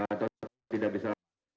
atau tidak bisa